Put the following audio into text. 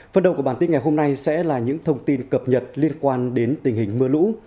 phần đầu của bản tin ngày hôm nay sẽ là những thông tin cập nhật liên quan đến tình hình mưa lũ